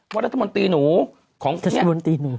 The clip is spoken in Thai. ว่ารัฐมนตรีหนูของเนี่ยรัฐมนตรีหนู